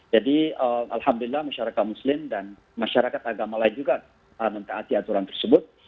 jadi alhamdulillah masyarakat muslim dan masyarakat agama lain juga menaati aturan tersebut